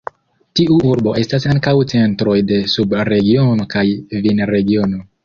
Tiu urbo estas ankaŭ centroj de subregiono kaj vinregiono.